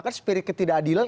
kan spirit ketidakadilan